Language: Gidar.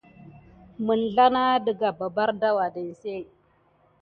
Əzeme hogohokio misapay ɗe kubelā mokoni sawuba va adelif net.